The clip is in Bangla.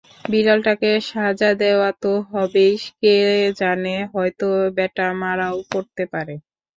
বিড়ালটাকে সাজা দেওয়া তো হবেই, কে জানে হয়তো ব্যাটা মারাও পড়তে পারে।